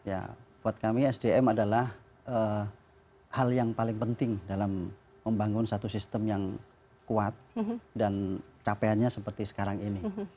ya buat kami sdm adalah hal yang paling penting dalam membangun satu sistem yang kuat dan capaiannya seperti sekarang ini